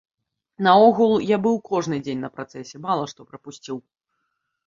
Наогул, я быў кожны дзень на працэсе, мала што прапусціў.